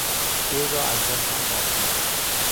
پول را از دستم قاپید.